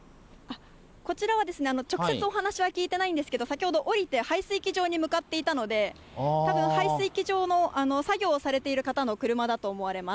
こちらは、直接お話は聞いてないんですけれども、先ほど、降りて排水機場に向かっていたので、たぶん排水機場の作業をされている方の車だと思われます。